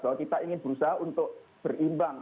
bahwa kita ingin berusaha untuk berimbang